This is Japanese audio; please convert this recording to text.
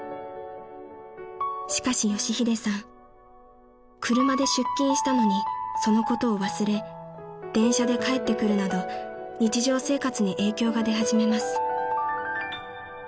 ［しかし佳秀さん車で出勤したのにそのことを忘れ電車で帰ってくるなど日常生活に影響が出始めます］